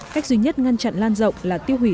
cách duy nhất ngăn chặn lan rộng là tiêu hủy